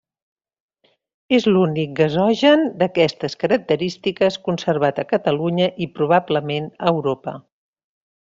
És l'únic gasogen d'aquestes característiques conservat a Catalunya i probablement a Europa.